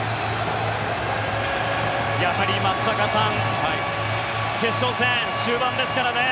やはり松坂さん決勝戦、終盤ですからね。